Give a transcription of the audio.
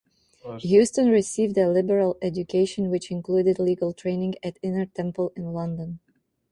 Houstoun received a liberal education, which included legal training at Inner Temple in London.